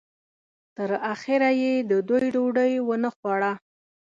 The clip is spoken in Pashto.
تر اخره یې د دوی ډوډۍ ونه خوړه.